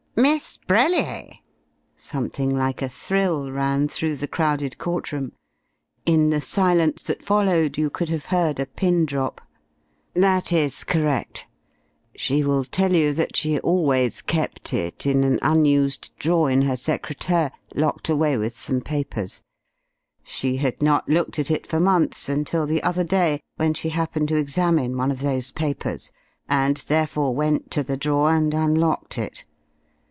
"Miss Brellier!" Something like a thrill ran through the crowded court room. In the silence that followed you could have heard a pin drop. "That is correct. She will tell you that she always kept it in an unused drawer in her secrétaire locked away with some papers. She had not looked at it for months, until the other day when she happened to examine one of those papers, and therefore went to the drawer and unlocked it.